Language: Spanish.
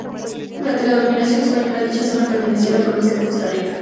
Durante la dominación española dicha zona pertenecía a la provincia de Costa Rica.